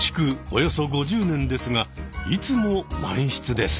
およそ５０年ですがいつも満室です。